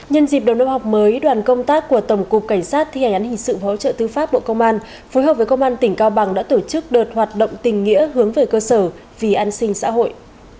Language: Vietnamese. nhân dịp đầu năm học mới đoàn công tác của tổng cục cảnh sát thi hành án hình sự hỗ trợ tư pháp bộ công an phối hợp với công an tỉnh cao bằng đã tổ chức đợt hoạt động tình nghĩa hướng về cơ sở vì an sinh xã hội